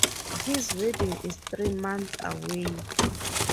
His wedding is three months away.